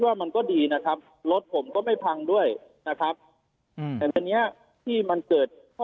ว่ามันก็ดีนะครับรถผมก็ไม่พังด้วยนะครับที่มันเกิดข้อ